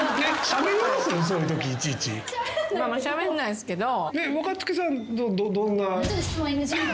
しゃべんないすけど。